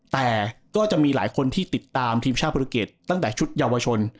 แต่ก็จะมีหลายคนที่ติดตามทีมชาติปริเกตตั้งแต่ชุดเยาวชน